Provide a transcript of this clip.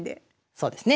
そうですね。